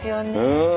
うん。